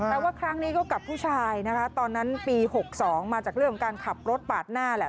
แต่ว่าครั้งนี้ก็กับผู้ชายนะคะตอนนั้นปี๖๒มาจากเรื่องของการขับรถปาดหน้าแหละ